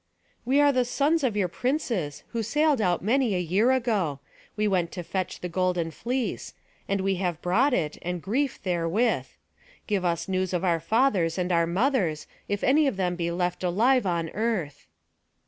"We are the sons of your princes, who sailed out many a year ago. We went to fetch the golden fleece; and we have brought it, and grief therewith. Give us news of our fathers and our mothers, if any of them be left alive on earth."